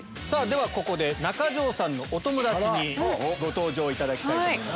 ここで中条さんのお友達にご登場いただきたいと思います。